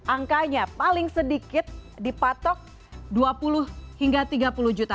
angkanya paling sedikit dipatok dua puluh hingga tiga puluh juta